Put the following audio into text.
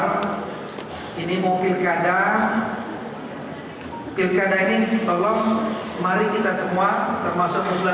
hai ini mobil kada kada hai pilihannya tolong mari kita semua termasuk muslimah